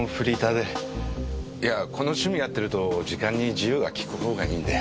いやぁこの趣味やってると時間に自由が利く方がいいんで。